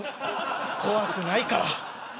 怖くないから。